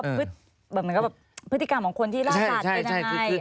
แบบมันก็แบบพฤติกรรมของคนที่ราคาขาดเป็นยังไง